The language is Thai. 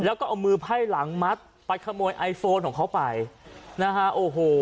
แล้วก็เอามือไพ่หลังมัดไปขโมยไอโฟนของเขาไปนะฮะโอ้โห